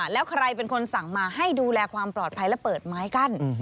แล้วใครเป็นคนสั่งมาให้ดูแลความปลอดภัยและเปิดไม้กั้น